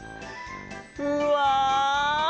うわ！